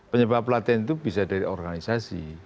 penyebab pelatihan itu bisa dari organisasi